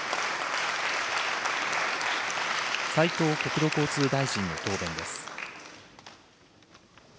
斉藤国土交通大臣の答弁です。